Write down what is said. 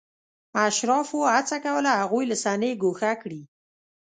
اشرافو هڅه کوله هغوی له صحنې ګوښه کړي.